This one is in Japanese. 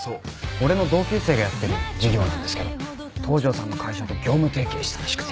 俺の同級生がやってる事業なんですけど東城さんの会社と業務提携したらしくて。